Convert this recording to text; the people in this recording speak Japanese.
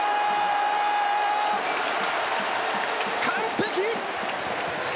完璧！